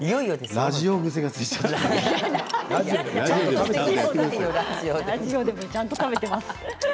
ラジオでもちゃんと食べてます。